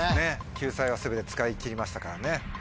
救済は全て使い切りましたからね。